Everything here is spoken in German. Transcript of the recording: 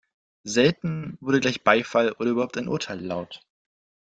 Selten wurde gleich Beifall oder überhaupt ein Urteil laut.